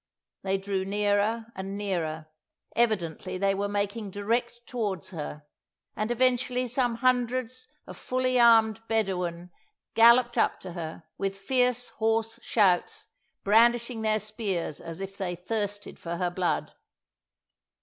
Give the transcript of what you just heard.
They drew nearer and nearer; evidently they were making direct towards her; and eventually some hundreds of fully armed Bedawun galloped up to her, with fierce, hoarse shouts, brandishing their spears as if they thirsted for her blood.